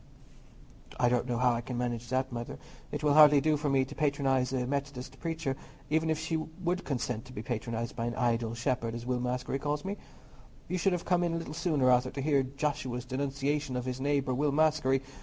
"I don't know how I can manage that, Mother; it will hardly do for me to patronize a Methodist preacher, even if she would consent to be patronized by an idle shepherd, as Will Maskery calls me. You should have come in a little sooner, Arthur, to hear Joshua's denunciation of his neighbour Will Maskery.